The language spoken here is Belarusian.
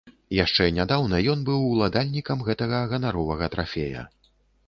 Яшчэ нядаўна ён быў уладальнікам гэтага ганаровага трафея.